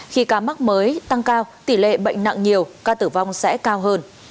khi ca mắc mới tăng cao tỷ lệ bệnh nặng nhiều ca tử vong sẽ cao hơn